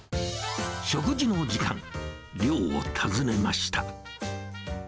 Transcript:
食事の時間、寮を訪ねました。